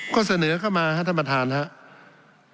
ก็เสนอเข้ามาครับท่านประธานครับ